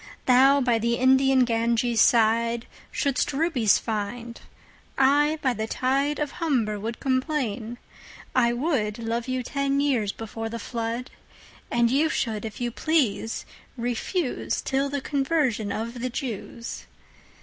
Thou by the Indian Ganges sideShould'st Rubies find: I by the TideOf Humber would complain. I wouldLove you ten years before the Flood:And you should if you please refuseTill the Conversion of the Jews.